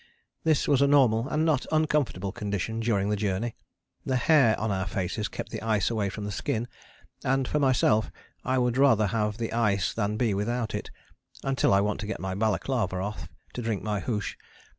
This was a normal and not uncomfortable condition during the journey: the hair on our faces kept the ice away from the skin, and for myself I would rather have the ice than be without it, until I want to get my balaclava off to drink my hoosh.